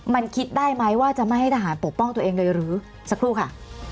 มันคิดได้ไหมว่าจะไม่ให้ทหารปกป้องตัวเองเลยหรือสักครู่ค่ะ